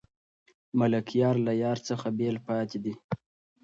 ملکیار له یار څخه بېل پاتې دی.